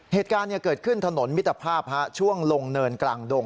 เหตุการณ์เกิดขึ้นถนนมิตรภาพช่วงลงเนินกลางดง